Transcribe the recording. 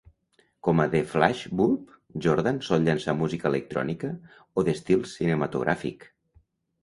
Com a The Flashbulb, Jordan sol llançar música electrònica o d'estil cinematogràfic.